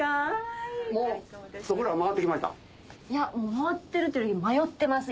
回ってるというより迷ってます。